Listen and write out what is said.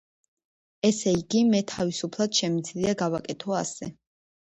ესე იგი, მე თავისუფლად შემიძლია გავაკეთო ასე.